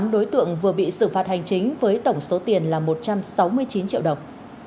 tám đối tượng vừa bị xử phạt hành chính với tổng số tiền là một trăm sáu mươi chín triệu đồng